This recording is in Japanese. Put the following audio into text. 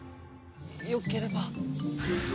良ければ。